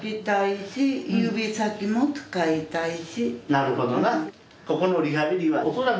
なるほどな。